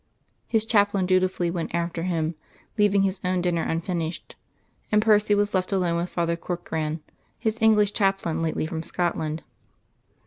His chaplain dutifully went after him, leaving his own dinner unfinished, and Percy was left alone with Father Corkran, his English chaplain lately from Scotland.